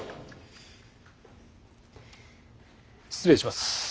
失礼します。